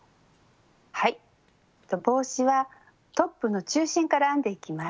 はい帽子はトップの中心から編んでいきます。